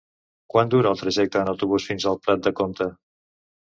Quant dura el trajecte en autobús fins a Prat de Comte?